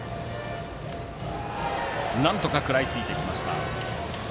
なんとか食らいついていきます。